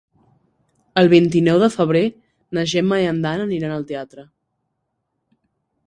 El vint-i-nou de febrer na Gemma i en Dan aniran al teatre.